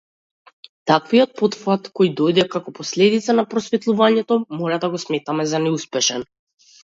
Таквиот потфат, кој дојде како последица на просветувањето, мора да го сметаме за неуспешен.